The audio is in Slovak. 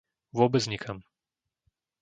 Vôbec nikam.